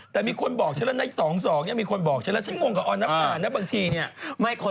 ทันไหมอ่ะ